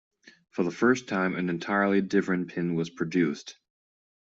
For the first time, an entirely different pin was produced.